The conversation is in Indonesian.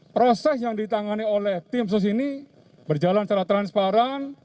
proses yang ditangani oleh tim sus ini berjalan secara transparan